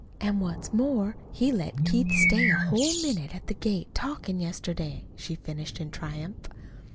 An' what's more, he let Keith stay a whole minute at the gate talkin' yesterday!" she finished in triumph.